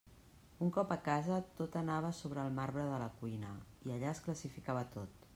Un cop a casa, tot anava a sobre el marbre de la cuina, i allà es classificava tot.